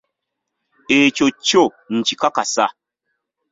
Ekyo kyo nkikakasa.